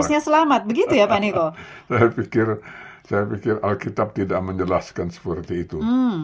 selalu indah dan baru